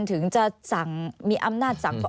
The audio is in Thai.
ถึงจะสั่งมีอำนาจสั่ง